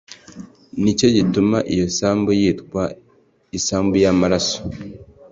ni cyo gituma iyo sambu yitwa isambu y amaraso